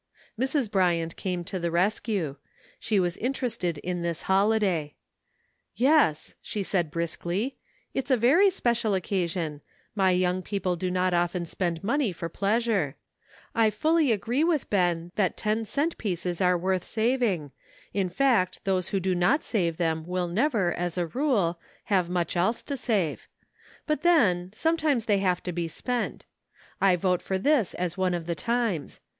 Mrs. Bryant came to the rescue; she was interested in this holiday. " Yes," she said briskly, " it's a very special occasion ; my young people do not often spen'd money for pleasure. 26 CLOTHES. I fully agree with Ben that ten cent pieces are worth saving — in fact those who do not save them will never, as a rule, have much else to save ; but then, sometimes they have to be spent. I vote for this as one of the times.